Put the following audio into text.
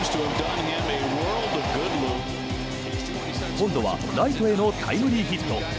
今度はライトへのタイムリーヒット。